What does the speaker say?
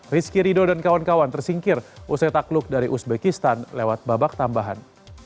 rizky rido dan kawan kawan tersingkir usai takluk dari uzbekistan lewat babak tambahan